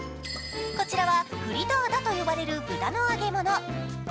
こちらはフリターダと呼ばれる豚の揚げ物。